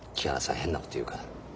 変なこと言うから。